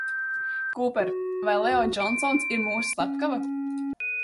Kūper, vai Leo Džonsons ir mūsu slepkava?